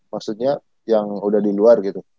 maksudnya yang udah di luar gitu